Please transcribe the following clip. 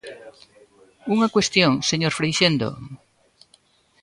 Unha cuestión, señor Freixendo.